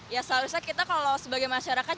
ya seharusnya kita kalau sebagai masyarakat